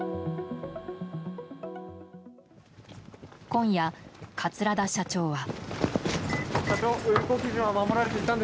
今夜、桂田社長は。